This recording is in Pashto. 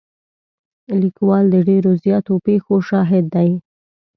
لیکوال د ډېرو زیاتو پېښو شاهد دی.